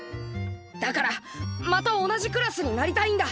だからまた同じクラスになりたいんだ！